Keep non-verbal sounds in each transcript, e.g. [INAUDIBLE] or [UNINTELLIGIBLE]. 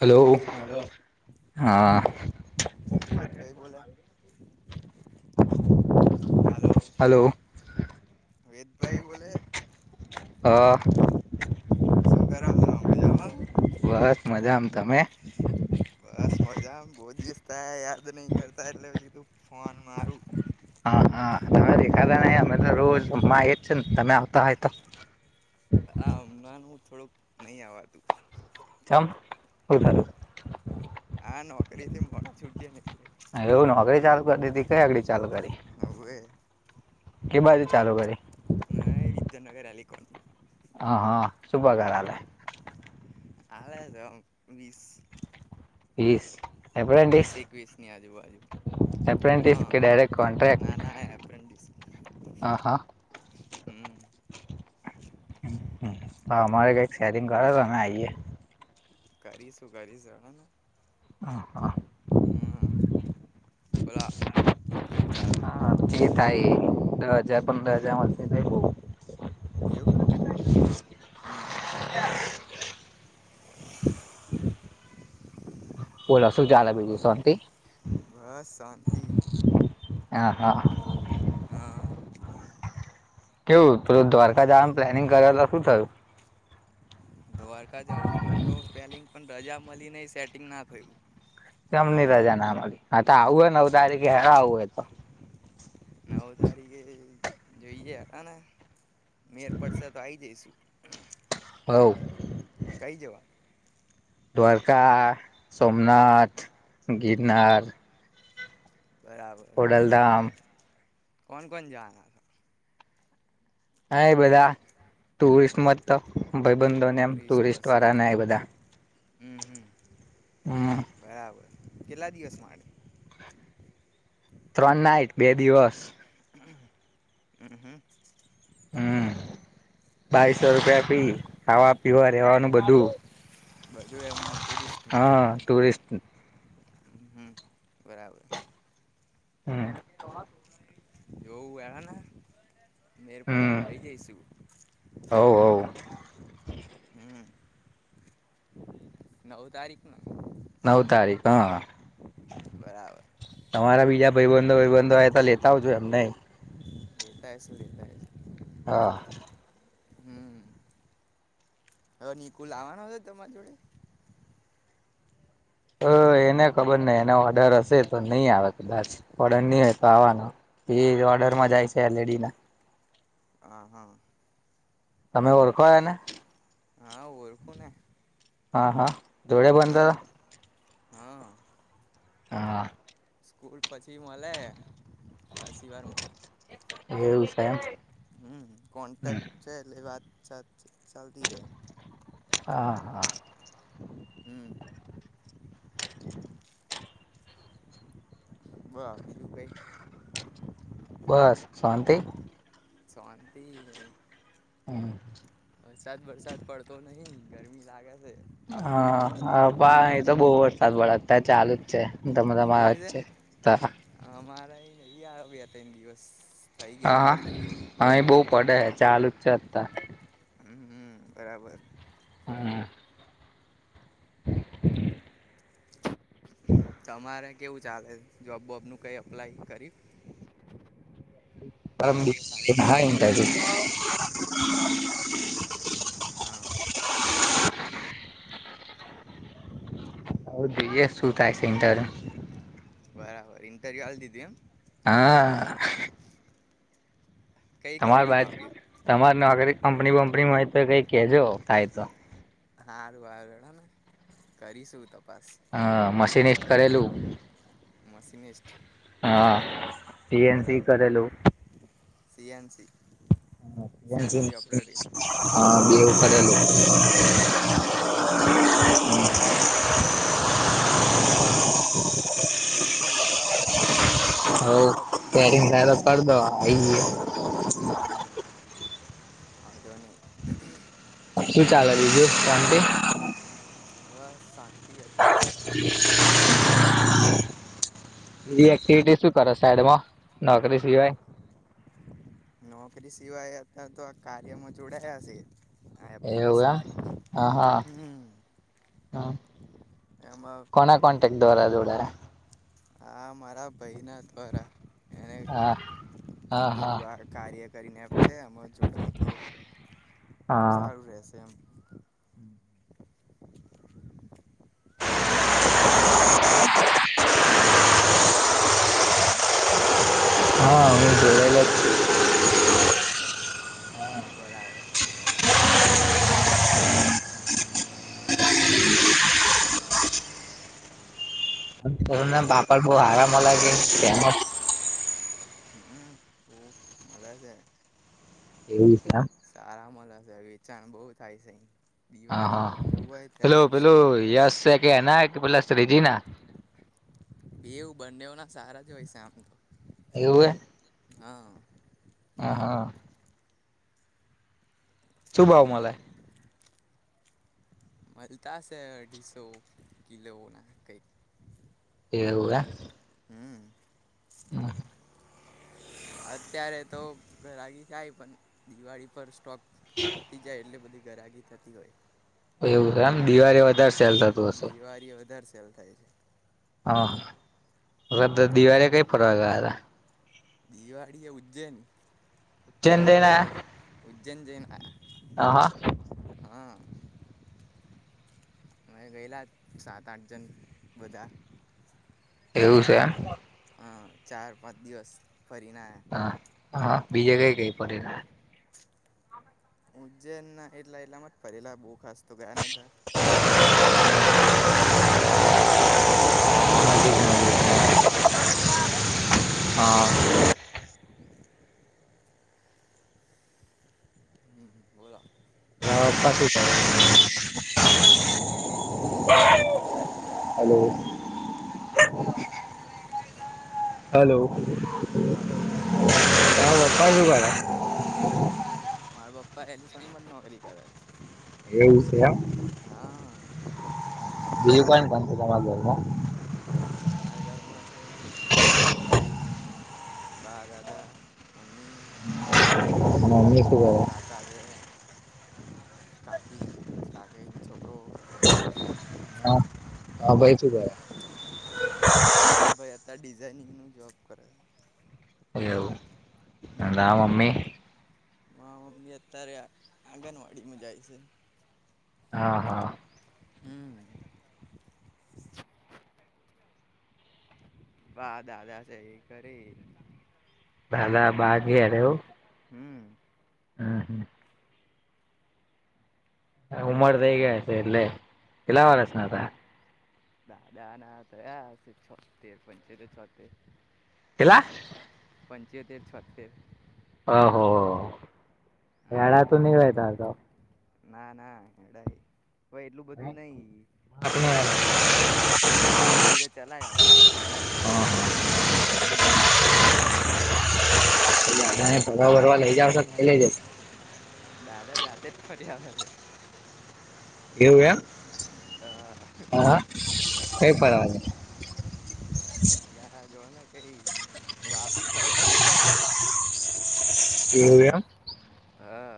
Hello, hello હા. રેધભાઈ બોલે? હાલો. હલો વેદભાઈ બોલે, હ શું કરો છો? મજામાં? બસ મજા આમ તમે? ત યાદ નહી કરતા એટલે કીધું ફોન મારું હા હા તમે દેખાતા નહી અમે તો રોજ અ એ જ છે ને તમે આવતા હોય તો. આ હમણા હું થોડુંક નહી આવાતું. ચામ શું થયું? આ નોકરી થી મોડા છૂટીએ ને એટલે એવું નોકરી ચાલુ કર દીધી. કઈ આગડી ચાલુ કરી? હવે કે બાજુ ચાલુ કરી? ના વિદ્યાનગર એલિકોન હા, હા, શુ ભાગા આલે. હાલે છે વીસ વીસ વીસ એકવીસ ની આજુ બાજુ. એપરેન્ટસ કે ડાયરેક્ટ કોન્ટ્રક્ટ ના હ હા. હમ્મ. હમ્મ હ તો અમારે કઈ શેરિંગ કરો તો અમે આઈએ. કરીશું કરીશું જવાનો. હ હા. ઓલા હા, જે થાય ઈ, દહ હજાર, પંદર હજાર માં [UNINTELLIGIBLE] એવું? હમ્મ-હમ્મ. [INAUDIBLE] બોલો શું ચાલે બીજું? શાંતી? બસ શાંતિ હા, હા. હાં. કેવું દ્વારકા જવાનું પ્લાનિંગ કરે તો શું થયું! દ્વારકા જવાનું હતો પ્લેનીંગ પણ રજા મળી ન સેટિંગ ના થયું. કેમની રજા ના મળી. હ તો આવું હોય નવ તારીખે હેરા આવું હોય તો નવ તારીખે જોઈએે હતા ને મેર પડશે તો આ આવી જઈશુ. હોવ. કઈ જવા. દ્વારકા, સોમનાથ, ગિગનાર, બરાબર કોણ કોણ જવાના હતા? હા એ બધા ટુરિસ્ટ મત તો. ભાઈબંધોને એમ ટુરિસ્ટ વાળા ને એ બધા હમ હમ હમ. બરાબર કેટલા દિવસમાંડ? ત્રણ નાઈટ બે દિવસ. હમ્મ હમ્મ હમ્મ બાવસો રૂપિયા ફી ખાવા પીવા રેવાનું બધું. બધું એમનું ટુરિસ્ટ. તે- - હમ બરાબર. હમ- - એવું એને- - મેર પડ્યા તો હમ આઈ જઈશું હવ હવ હમ- - નવ તારીખ નુ. નવ તારીખ હા બરાબર. તમારા બીજા ભાઈબંધો બંધો હોય તો લેતા આવજો એમને. લેતાશ લેતાશ. હા. હમ. હવે નિકુલ આવાનોશે તમારી જોડે? હ એને ખબર નહ એનો ઓર્ડર હશે તો નહી આવે કદાચ ઓર્ડર નહી હોય તો આવવાનો. એ ઓર્ડર માં જાય છે એલડી ના. હ હા. તમે ઓળખો એને? હા ઓળખું ને. હા હા જોળે હા બંધાર? હા હા. સ્કૂલ પછી મળે પછી વાર મળ- - એવું સા એ હમ કોન્ટેક્ટ છે એટલે વાત ચાલતીરે. હા હા હમ્મ. બોલ બીજું કાંઈ બસ શાંતિ? શાંતી. હમ્મ. વરસાદ વરસાદ પડતો નહી ગરમી લાગે- - હા હ એ તો બહુ વરસાદ પડે ત્યાં ચાલુ જ છે છે ધમધમા આવે જ છે. [UNINTELLIGIBLE] નહી નહી આવે બે ત્રણ દિવસ. થઈ ગયા હા ઉપર થઈ ગયું હા અ એ બવ પડે ચાલુ જ છે. હમ બરાબર. હમ. તમારે કેવું ચાલે જોબબોબ નું કઈ અપ્લાય કરી? આમ થાય ઈન્ટરવ્યુ [UNINTELLIGIBLE] હા. આવ જોઈએ શું થાય સેન્ટર. ઇન્ટરવ્યુ હાલ દીધું એમ? હા. કઈ તમાર કંપનીમાં બાજુ આપ્યું તમાર નોકરી કંપની વંપનીમાં હોય તો કઈ કેજો થાય તો. હારું હારું કરીશું તપાસ. હ મશીનિસ્ટ કરલું. મશિનેસ હા સી એન સી કરેલું. C N C. સી બવ કરેલું. બરાબર [INAUDIBLE] [INAUDIBLE] જોઈશું ચલા ને. હ સેટિંગ થાય તો કરી પરી દઈએ હરા તો પડ દો આ [UNINTELLIGIBLE] વધો નહીં. શું ચાલે બીજું શાંતિ. હ શાંતિ હતા. [INAUDIBLE] બ એક્ટિવિટી શું કરો સાઈડમાં નોકરી સિવાય? નોકરી સિવાય અ તો આ કાર્યમાં જોડાયા છે. આ એવું એપ્લિકેશન હ હા હા હમ હમ. એમાં કોના કોન્ટેક્ટ દ્વારા જોડાયા? હા મારા ભાઈ ના દ્વારા. એને હા. હા હા કીધેલું આ કાર્ય કરીને છે જોડાવ તો. સારું હા રહેશે એમ. બોલો તમારે જોવડ આવું છે એમાં? હા હું જો એ [UNINTELLIGIBLE] જોડેલા જ છે બરાબર. [INAUDIBLE] કર ના બાપા ભહ હરા મલા કે ફેમસ [UNINTELLIGIBLE] હમ બ મળે છે. એવું છે એમ સારા મળશે વેચાણ બહવ થાય છે. હ હા, દિવાળી એવું હોય ત્યારે પેલું પેલું સ્ટોક યશ છે કે એના કે પેલ ત્રીજી ના? બે એવું બંને ના સારા જ હોય છેમ તો. એવું હ. હા. હા હા. શુ ભાવ મળે? મળતા છે અઢીસો કિલો ના કઈક. એવું એ. [UNINTELLIGIBLE] અત્યારે તો ઘરગી થાય પણ દિવાળી પર સ્ટોક પતી જાય એટલે બધી ગરાગી થતી હોય. એવું આમ દિવાળ વધારે સેલ થતું હશે. ખલ થાય છે. હા દિવાળી કઈ ફરવા ગ હતા દિવાળી એ ઉજ્જેન ઉજ્જૈન જેનજૈન હ હા અ ગયેલા સાત આઠ જણ બધા એવું છે એમ હા ચાર પાંચ દિવસ ફરીને આવ્યા હા હા બીજે કઈ કઈ પડે ઉજ્જૈન ના એટલા એટલામાં જ ફરેલા બહુ ખાસ તો ગયા નતા બાજુ બાજુ બીજે બધી જઈને નજીક નજીકમાં એટલામાં હા હા હમ બલો હ પા શું હલો હલો હાલો હ ક બ મારા પપ્પા એેલીફન પણ નોકરી કરે છે એ વિષય હા બજુ ક ત છે તમા ઘરમાં મારા ઘરમાં છે પપ્પા છે ભાઈ બા દાદા મમ્મી મારા મમ્મી શું ના કરે? કાકા દ કાકી કાગે છોકરો હા ભાઈ તું ક ંગ ન જોબ કરે એા મમી માી અત્યારે આંગણવાડીમાં જાય છે હા હા હમ વા દાદા છે એ કરી હાદ બાકીવું હમ હમ હમ ઉમર થઈ ગયા છે એટલે કેેલા વાળસ ના હતા હા દાદા ના થયા હ છે છ તેર પં છે તો છોતેર હેલા પંચોતેર છોતેર ઓહ હા વડાતું ન રહે ત તો ના ના એડાઈ હ ધીરે ધીરે ચલા હમ તો હમ તને ફરવા ભરવા લઈ જાવશો તઈ લઈ જશે દાદા જાતે જ ફરી આવે છે એવુંયા છે હા કઈ પ દાદા જોને કઈ વાપી ફરવા ગતા રેલા કેમ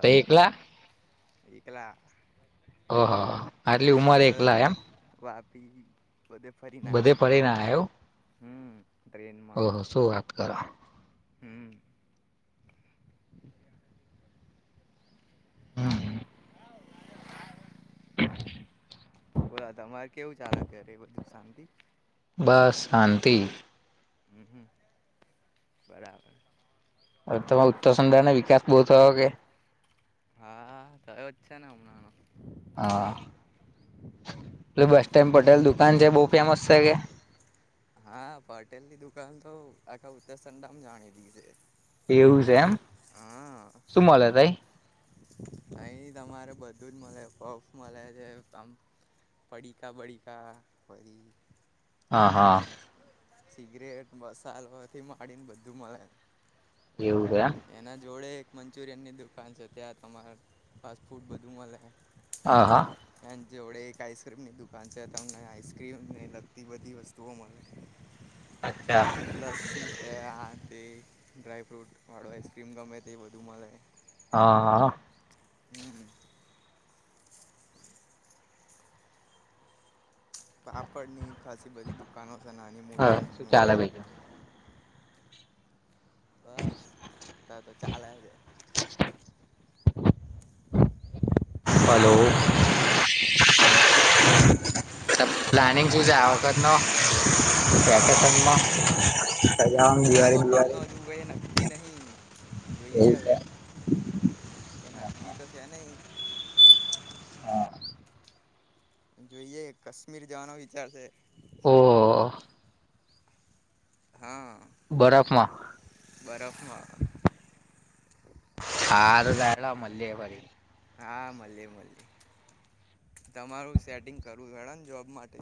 તો એકલા એટલા હ હા સુરત વાપી બધે ફરીને બધે પડી ને આયો. હમ ઓહ શું વાત કરો. હમ્મ. હમ્મ. બોલા તમારે કેવું ચાલક ઘરે બધું શાંતિ? બસ શાંતિ. હમ્મ હમ્મ બરાબર. હવે તમે ઉત્તરસંધારનો વિકાસ બહુ થયો કે? હા થાયોજ છે ને હમણાંનો. હ. [UNINTELLIGIBLE] બસ સ્ટેન્ડ પટેલ દુકાન છે બહુ ફેમસ છે કે? કલ તો આખા ઉત્તરસંડામ જાણીદી છે. એવું છે એમ શું મલે તાઈ? અહી તમારે બધું જ મલે પફ મલે છે તમ પડીકા બડીકા વરી હા. સિગરેટ મસાલોથી માંડીને બધું મળે. એવું છે એમ એના જોડે એક મંચુરિયન ની દુકાન છે ત્યાં તમાર ફાસ્ટ ફૂડ બધું મળે. હા હા. જેવડે એક આઈસક્રીમની દુકાન છે હતા અમને આઈસક્રીમ ને લગતી બધી વસ્તુઓ મળી. અચ્છા લસ્સી છે આ તે ડ્રાય ફ્રૂટ વાળું આઈસ્ક્રીમ ગમે તે બધું મળે. હા હા. હમ્મ. પાપડ ની ખાલી બધી દુકાનો છે નાની હા મોટી શું નાની ચાલે મોટી. બીજું બસ તો ચાલે છે. હલો. હા બોલો પ્લાનિંગ બોલો શું છે આ વખત નો વેકેશનમાં? સજાવાનું આ દિવાળી વખત ન દિવાળી જુું નક્કી નહી જોઈએ એવું છે હવે. કે નક્કી તો છે નહીં. હા. જોઈએ કાશ્મીર જવાનો વિચાર છે. ઓહ. હા બરફમાં બરફમાં. હા. [UNINTELLIGIBLE] હા મલે મલે. તમારું સેટિંગ કરવું [UNINTELLIGIBLE] ને જોબ માટે.